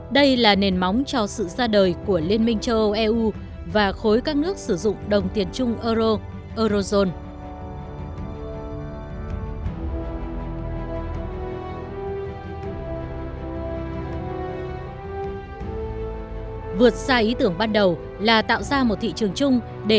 đây là nền móng cho sự ra đời của liên minh châu âu eu và khối các nước sử dụng đồng tiền chung euro eurozone